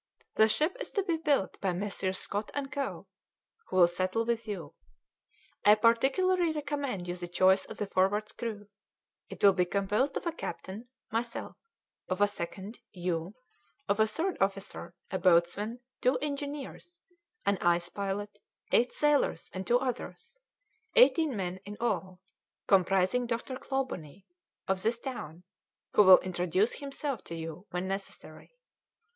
The ship is to be built by Messrs. Scott and Co., who will settle with you. I particularly recommend you the choice of the Forward's crew; it will be composed of a captain, myself, of a second, you, of a third officer, a boatswain, two engineers, an ice pilot, eight sailors, and two others, eighteen men in all, comprising Dr. Clawbonny, of this town, who will introduce himself to you when necessary.